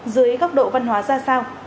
dưới góc độ văn hóa ra sao